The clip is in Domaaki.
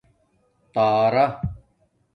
تارا